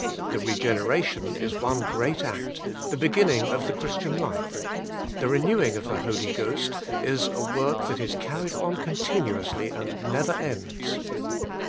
The regeneration ,is one great act, the beginning of the Christian (life; the renewing of the Holy Ghost is a work ,'that is carried on continuously and never ends.